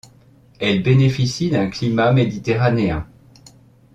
Elle bénéficie d'un climat méditerranéen.